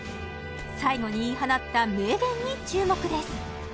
最後に言い放った名言に注目です